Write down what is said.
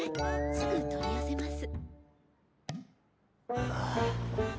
すぐ取り寄せます。